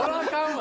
わ